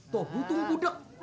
tuh lutung budek